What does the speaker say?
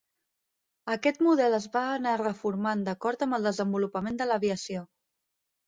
Aquest model es va anar reformant d'acord amb el desenvolupament de l'aviació.